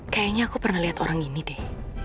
kayaknya aku pernah lihat orang ini deh